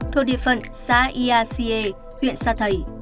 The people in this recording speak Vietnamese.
thuộc địa phận xã ia xie huyện sa thầy